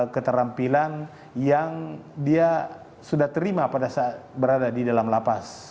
keterampilan yang dia sudah terima pada saat berada di dalam lapas